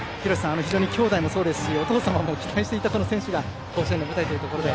兄弟もそうですしお父様も期待していた選手が甲子園の舞台ということで。